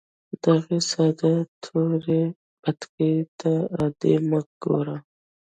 دغې ساده تورې بتکې ته عادي مه ګوره